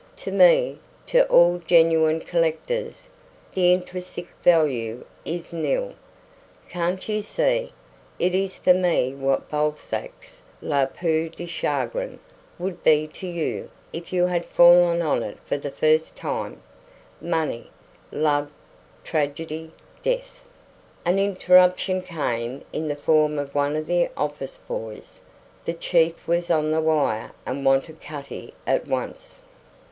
To me to all genuine collectors the intrinsic value is nil. Can't you see? It is for me what Balzac's La Peau de Chagrin would be to you if you had fallen on it for the first time money, love, tragedy, death." An interruption came in the form of one of the office boys. The chief was on the wire and wanted Cutty at once.